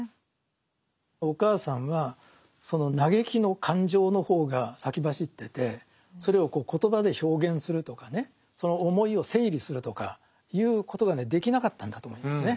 お母さんはその嘆きの感情の方が先走っててそれを言葉で表現するとかねその思いを整理するとかいうことがねできなかったんだと思いますね